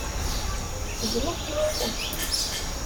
Glant yes-sent.